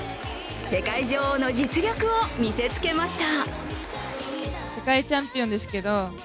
世界女王の実力を見せつけました。